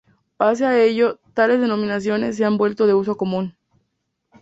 Pese a ello, tales denominaciones se han vuelto de uso común.